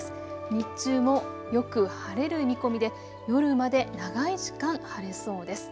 日中もよく晴れる見込みで夜まで長い時間晴れそうです。